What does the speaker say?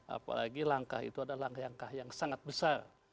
apalagi langkah itu adalah langkah yang sangat besar